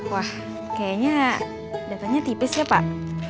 wah kayaknya datanya tipis ya pak